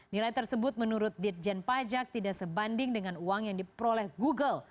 nilai tersebut menurut ditjen pajak tidak sebanding dengan uang yang diperoleh google